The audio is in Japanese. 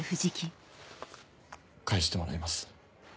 返してもらいます。